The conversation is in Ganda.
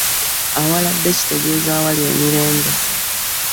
Awaladde kitegeeza ewali emirembe .